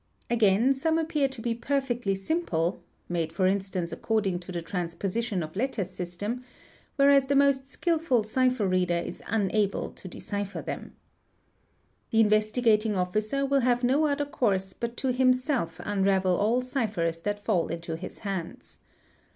Again some appeé to be perfectly simple (made for instance according to the transpositi¢ of letters system), whereas the most skilful cipher reader is unable decipher them. The Investigating Officer will have no other course bt to himself unravel all ciphers that fall into his hands.